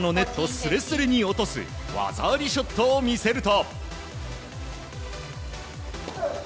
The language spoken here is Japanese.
すれすれに落とす技ありショットを見せると。